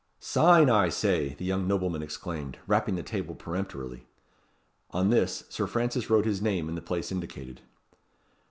"Sign, I say," the young nobleman exclaimed, rapping the table peremptorily. On this, Sir Francis wrote his name in the place indicated.